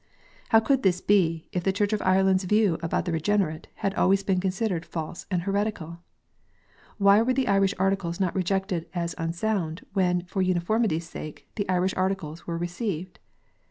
How could this be, if the Church of Ireland s view about the " regenerate " had always been considered false and heretical ? Why were the Irish Articles not rejected as unsound, when, for uniformity s sake, the Irish Articles were received